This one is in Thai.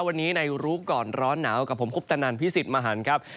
วันนี้ในรู้ก่อนร้อนหนาวกับผมคุปตนันพิสิทธิ์มหันครับ